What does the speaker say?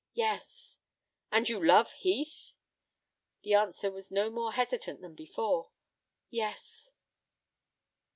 "Yes." "And you love Heath?" The answer was no more hesitant than before; "Yes."